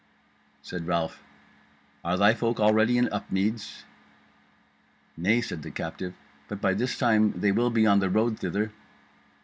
Said Ralph: "Are thy folk already in Upmeads?" "Nay," said the captive, "but by this time they will be on the road thither."